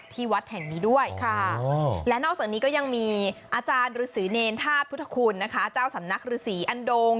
ที่วัธแห่งนี้ด้วยและนอกจากนี้ก็ยังมีอาจารย์รสิเนรฐาพุทธคุณเจ้าสำนักศึกษีอันดง